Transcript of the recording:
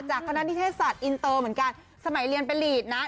คณะนิเทศศาสตร์อินเตอร์เหมือนกันสมัยเรียนเป็นลีดนะ